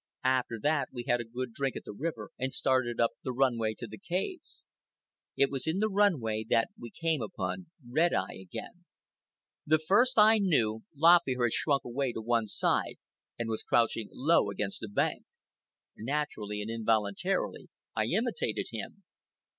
After that we had a good drink at the river and started up the run way to the caves. It was in the run way that we came upon Red Eye again. The first I knew, Lop Ear had shrunk away to one side and was crouching low against the bank. Naturally and involuntarily, I imitated him.